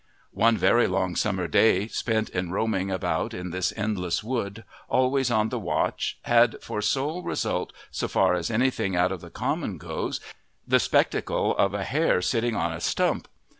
One very long summer day spent in roaming about in this endless wood, always on the watch, had for sole result, so far as anything out of the common goes, the spectacle of a hare sitting on a stump.